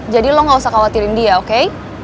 jadi lo gak usah khawatirin dia oke